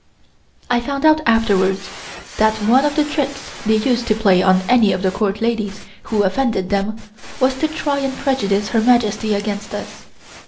I found out afterwards that one of the tricks they used to play on any of the Court ladies who offended them was to try and prejudice Her Majesty against us.